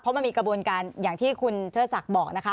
เพราะมันมีกระบวนการอย่างที่คุณเชื่อสักบอกนะคะ